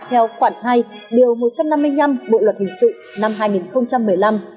theo khoản hai điều một trăm năm mươi năm bộ luật hình sự năm hai nghìn một mươi năm